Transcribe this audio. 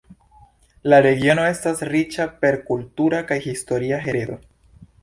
La regiono estas riĉa per kultura kaj historia heredo.